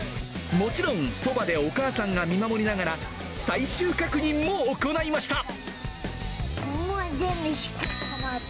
もちろん、そばでお母さんが見守りながら、最終確認も行いました。